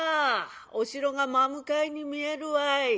お城が真向かいに見えるわい。